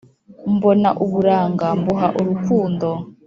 mbona uburanga mbuha urukundo